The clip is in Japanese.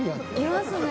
「いますね」